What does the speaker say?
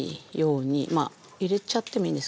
まあ入れちゃってもいいんですけど。